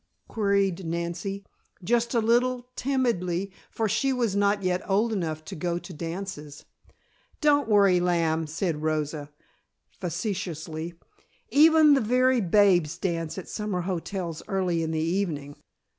queried Nancy, just a little timidly, for she was not yet old enough to go to dances. "Don't worry, lamb," said Rosa, facetiously, "even the very babes dance at summer hotels early in the evening.